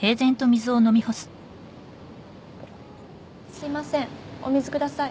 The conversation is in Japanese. すいませんお水ください